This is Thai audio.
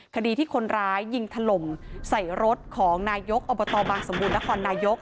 คดีที่คนร้ายยิงถล่มใส่รถของนายกอบตบางสมบูรณครนายก